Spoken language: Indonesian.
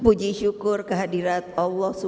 puji syukur kehadirat allah swt